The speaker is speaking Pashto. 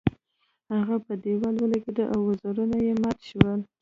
هغه په دیوال ولګیده او وزرونه یې مات شول.